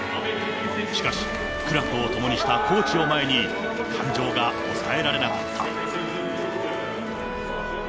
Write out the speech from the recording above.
しかし、苦楽を共にしたコーチを前に、感情が抑えられなかった。